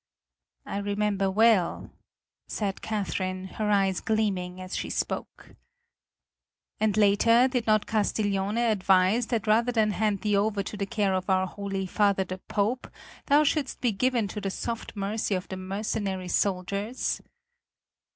"I remember well," said Catherine, her eyes gleaming as she spoke. "And later, did not Castiglione advise that rather than hand thee over to the care of our Holy Father the Pope thou shouldst be given to the soft mercy of the mercenary soldiers?"